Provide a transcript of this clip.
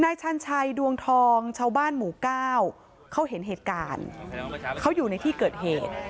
ชันชัยดวงทองชาวบ้านหมู่เก้าเขาเห็นเหตุการณ์เขาอยู่ในที่เกิดเหตุ